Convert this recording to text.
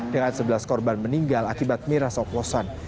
dengan sebelas korban meninggal akibat miras oplosan